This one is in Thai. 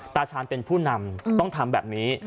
ตาชาญเป็นผู้นำต้องทำแบบนี้